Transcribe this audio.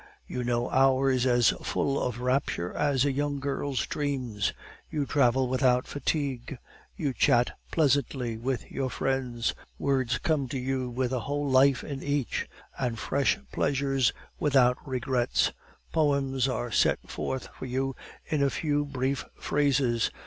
You know hours as full of rapture as a young girl's dreams; you travel without fatigue; you chat pleasantly with your friends; words come to you with a whole life in each, and fresh pleasures without regrets; poems are set forth for you in a few brief phrases.